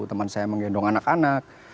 teman saya menggendong anak anak